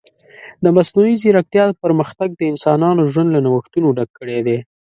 د مصنوعي ځیرکتیا پرمختګ د انسانانو ژوند له نوښتونو ډک کړی دی.